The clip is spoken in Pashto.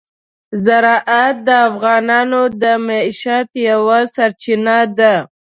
زراعت د افغانانو د معیشت یوه سرچینه ده.